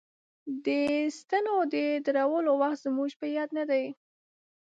د ستنو د درولو وخت زموږ په یاد نه دی.